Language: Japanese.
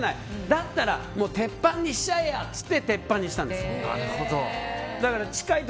だったら、鉄板にしちゃえって鉄板にしたんです。